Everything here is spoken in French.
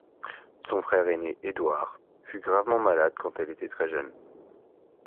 Son frère aîné, Édouard, fut gravement malade quand elle était très jeune.